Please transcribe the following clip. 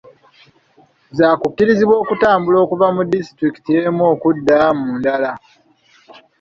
Zaakukkirizibwa okutambula okuva mu disitulikiti emu okudda mu ndala.